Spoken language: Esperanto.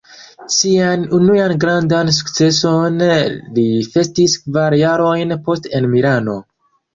Sian unuan grandan sukceson li festis kvar jarojn poste en Milano.